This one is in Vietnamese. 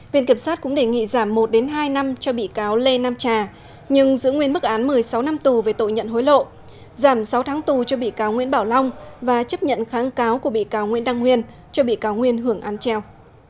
viện kiểm sát cũng đề nghị giảm một hai năm cho bị cáo lê nam trà nhưng giữ nguyên mức án một mươi sáu năm tù về tội nhận hối lộ giảm sáu tháng tù cho bị cáo nguyễn bảo long và chấp nhận kháng cáo của bị cáo nguyễn đăng nguyên cho bị cáo nguyên hưởng án treo